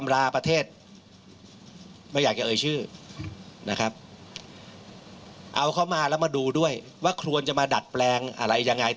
แล้วมาดูด้วยว่าควรจะมาดัดแปลงอะไรอย่างไร